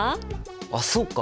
あそうか！